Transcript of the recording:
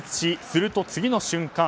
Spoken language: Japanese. すると次の瞬間